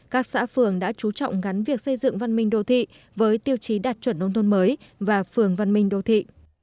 các xã phường đã chú trọng gắn việc xây dựng văn minh đô thị với tiêu chí đạt chuẩn nông thôn mới và phường văn minh đô thị